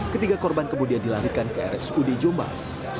ketiga korban kemudian dilarikan ke rsud jombang